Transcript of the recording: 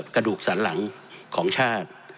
กระดูกสันหลังของชาติ